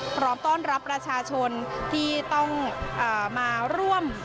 พร้อมต้อนรับประชาชนที่ต้องมาร่วม